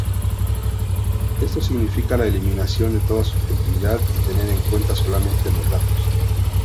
Esto significa la eliminación de toda subjetividad y tener en cuenta solamente los datos.